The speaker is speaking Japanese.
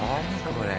これ。